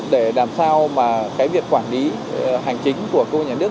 để làm sao mà cái việc quản lý hành chính của cơ quan nhà nước